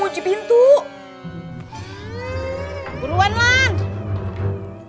maka kami memberikan nomor oi